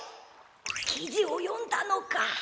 きじをよんだのか？